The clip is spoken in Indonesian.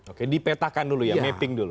oke dipetakan dulu ya mapping dulu